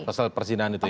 pasal persinahan itu ya